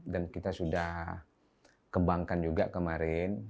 dan kita sudah kembangkan juga kemarin